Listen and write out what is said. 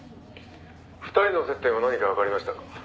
「２人の接点は何かわかりましたか？」